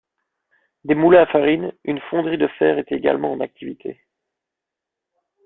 Des moulins à farine, une fonderie de fer étaient également en activité.